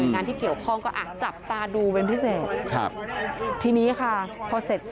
งานที่เกี่ยวข้องก็อาจจับตาดูเป็นพิเศษ